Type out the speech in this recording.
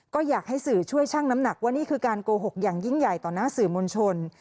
ก็อยากให้สื่อช่วยชั่งน้ำหนักว่านี่คือการโกหกอย่างยิ่งใหญ่ต่อหน้าสื่อมวลชน